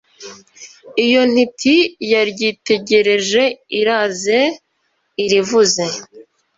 Iyo ntiti yaryitegereje iraze irivuge !